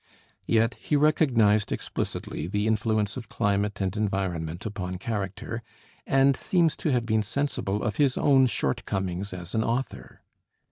Yet he recognized explicitly the influence of climate and environment upon character, and seems to have been sensible of his own shortcomings as an author.